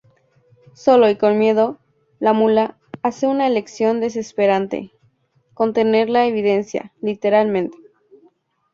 Solo y con miedo, "la Mula" hace una elección desesperante; contener la evidencia... literalmente.